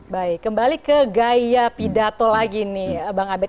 baik kembali ke gaya pidato lagi nih bang abed